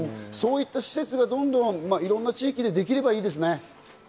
そういった施設がいろいろな地域でできればいいですね。